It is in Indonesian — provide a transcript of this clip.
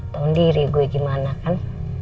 tahu diri gue gimana kan